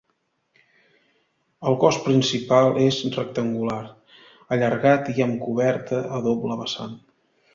El cos principal és rectangular, allargat i amb coberta a doble vessant.